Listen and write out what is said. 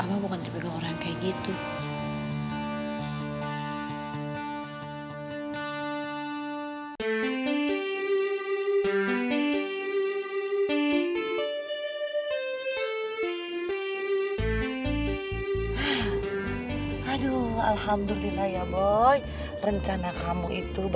abah bukan tipikal orang yang kayak gitu